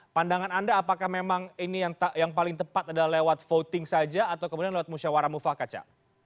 pandangan anda apakah memang ini yang paling tepat adalah lewat voting saja atau kemudian lewat musyawarah mufa kaca